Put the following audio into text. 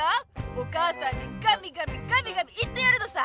お母さんにガミガミガミガミ言ってやるのさ！